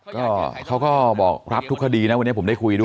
ก็เขาก็บอกรับทุกคดีนะวันนี้ผมได้คุยด้วย